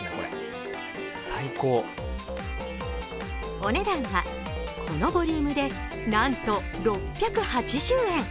お値段は、このボリュームでなんと６８０円。